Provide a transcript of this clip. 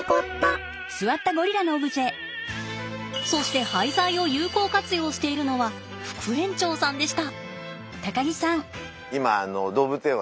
そして廃材を有効活用しているのは副園長さんでした。